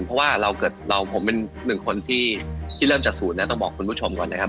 เพราะว่าเราเกิดเราผมเป็นหนึ่งคนที่เริ่มจากศูนย์นะต้องบอกคุณผู้ชมก่อนนะครับ